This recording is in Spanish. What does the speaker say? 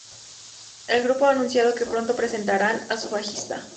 El grupo ha anunciado que pronto presentarán a su bajista.